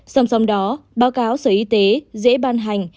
xong xong đó báo cáo sở y tế dễ ban hành